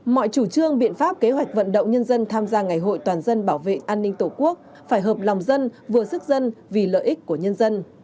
mọi chủ trương biện pháp kế hoạch vận động nhân dân tham gia ngày hội toàn dân bảo vệ an ninh tổ quốc phải hợp lòng dân vừa sức dân vì lợi ích của nhân dân